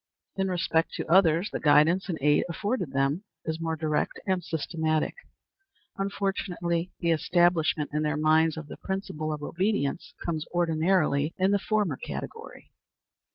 In respect to others, the guidance and aid afforded them is more direct and systematic. Unfortunately the establishment in their minds of the principle of obedience comes ordinarily under the former category.